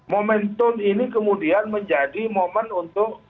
momentum ini kemudian menjadi momen untuk